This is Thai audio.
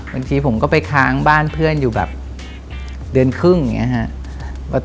บางทีผมก็ไปค้างบ้านเพื่อนอยู่แบบ